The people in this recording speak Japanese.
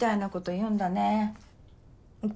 うん。